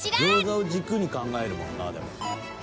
餃子を軸に考えるもんなでも。